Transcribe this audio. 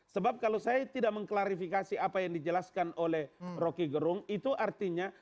sebab kalau saya tidak mengklarifikasi apa yang dijelaskan oleh rocky gerung itu artinya